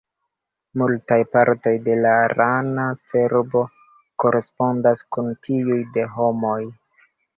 Multaj partoj de la rana cerbo korespondas kun tiuj de homoj.